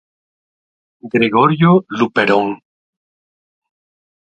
Gregorio Luperón".